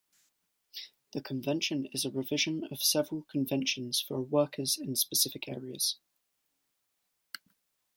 The convention is a revision of several conventions for workers in specific areas.